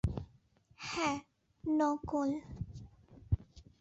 হ্যাঁ, নকল।